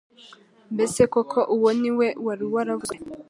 Mbese koko uwo ni we wari waravuzwe